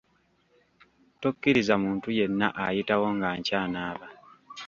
Tokkiriza muntu yenna ayitawo nga nkyanaaba.